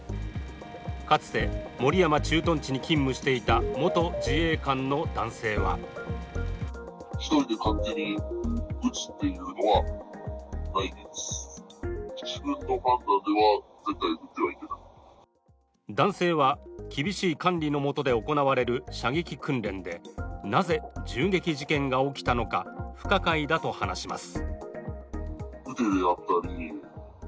かつて守山駐屯地に勤務していた元自衛官の男性は男性は厳しい管理の下で行われる射撃訓練でなぜ銃撃事件が起きたのか不可解だと話します。